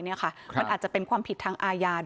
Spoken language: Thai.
มันอาจจะเป็นความผิดทางวินัยสงฆ์